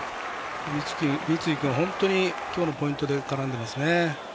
三井君、本当に今日のポイントで絡んでいますね。